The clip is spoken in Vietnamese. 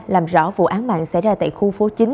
làm rõ vụ án mạng xảy ra tại khu phố chín